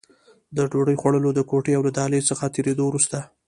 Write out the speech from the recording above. د ډوډۍ خوړلو د کوټې او له دهلېز څخه تر تېرېدو وروسته.